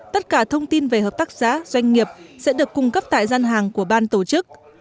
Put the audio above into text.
tất cả thông tin về hợp tác xã doanh nghiệp sẽ được cung cấp tại gian hàng của ban tổ chức